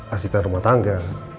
asisten rumah tangga